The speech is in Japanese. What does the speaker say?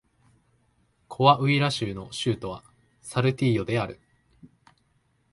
コアウイラ州の州都はサルティーヨである